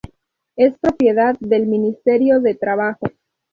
Es propiedad del Ministerio de Trabajo.